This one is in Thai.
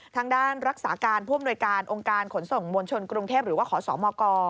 ทางด้านรักษาการผู้อำนวยการองค์การขนส่งมวลชนกรุงเทพหรือว่าขอสมก